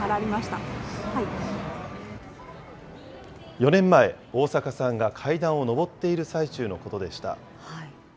４年前、逢阪さんが階段を上っている最中のことでした。